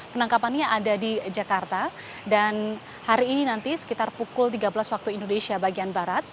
penangkapannya ada di jakarta dan hari ini nanti sekitar pukul tiga belas waktu indonesia bagian barat